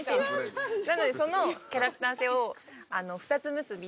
なのでそのキャラクター性を２つ結びで。